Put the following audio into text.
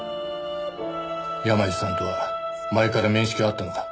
山路さんとは前から面識はあったのか？